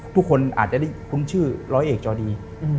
ทุกคนอาจจะได้คุ้นชื่อร้อยเอกจอดี